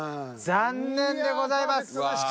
残念でございます。